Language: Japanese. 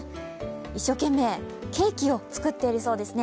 一生懸命ケーキを作っているそうですね。